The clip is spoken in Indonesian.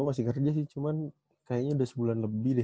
gue masih kerja sih cuman kayaknya udah sebulan lebih deh